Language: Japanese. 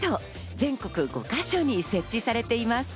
全国５か所に設置されています。